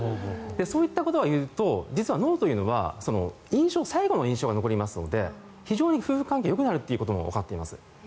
そういったことを言うと実は脳というのは最後の印象が残りますので非常に夫婦関係がよくなることもわかっています。